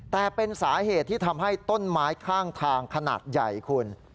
แต่เป็นสาเหตุที่ทำให้ต้นไม้ข้างทางขนาดใหญ่คุณ